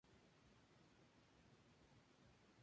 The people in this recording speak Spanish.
La entrada es libre, pero se admiten donaciones.